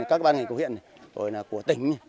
các ban ngành của huyện rồi là của tỉnh